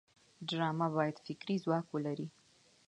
ډرامه باید فکري ځواک ولري